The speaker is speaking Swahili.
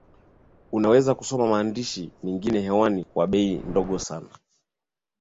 unaweza kusoma maandishi mengine hewani kwa bei ndogo sana